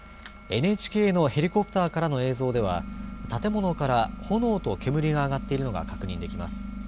ＮＨＫのヘリコプターからの映像では建物から炎と煙が上がっているのが確認できます。